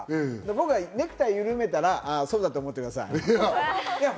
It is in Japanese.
僕がネクタイ緩めたら、そうだと思ってください。